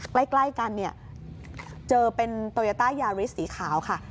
ใกล้กันเนี่ยเจอเป็นโตยาต้ายาริสสีขาวค่ะ